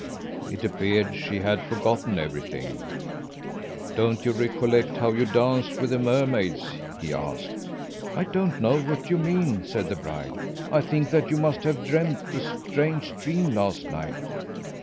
It appeared she had forgotten everything. "'Don't you recollect how you danced with the mermaids?' he asked. "'I don't know what you mean,' said the bride. 'I think that you must have dreamed a strange dream last night.'